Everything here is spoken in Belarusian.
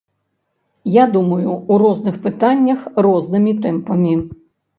Я думаю, у розных пытаннях рознымі тэмпамі.